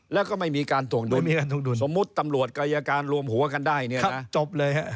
แล้วก็ไม่มีการถวงดุลสมมุติตำรวจกายการรวมหัวกันได้เนี่ยนะจบเลยฮะ